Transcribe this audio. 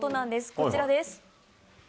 こちらです。